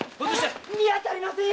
見当たりません！